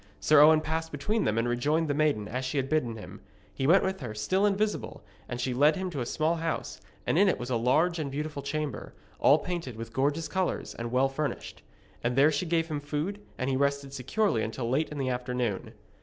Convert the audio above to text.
Sir Owen passed between them and rejoined the maiden, as she had bidden him. He went with her, still invisible, and she led him to a small house, and in it was a large and beautiful chamber, all painted with gorgeous colours, and well furnished. And there she gave him food, and he rested securely until late in the afternoon.